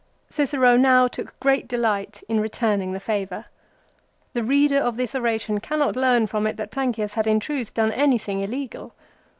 Cicero now took great delight in re turning the favour. The reader of this oration cannot learn from it that Plancius had in truth done anything illegal.